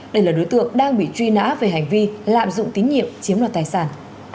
đây là đối tượng đang bị truy nã về hành vi lạm dụng tín nhiệm chiếm đoạt tài sản